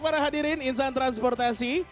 para hadirin insan transportasi